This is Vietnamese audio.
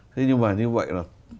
thế nhưng mà như vậy là